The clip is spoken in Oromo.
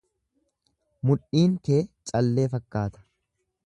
Mudhiin kee callee fakkaata.